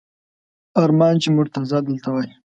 ارمان چې مرتضی دلته وای!